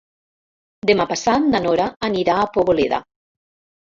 Demà passat na Nora anirà a Poboleda.